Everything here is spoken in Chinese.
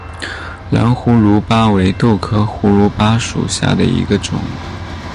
蓝胡卢巴为豆科胡卢巴属下的一个种。